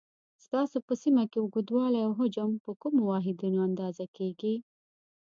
ستاسو په سیمه کې اوږدوالی او حجم په کومو واحدونو اندازه کېږي؟